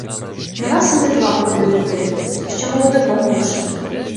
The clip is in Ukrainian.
Не раз і не два проходив туди, ще молодиком бувши.